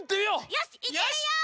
よしいってみよう！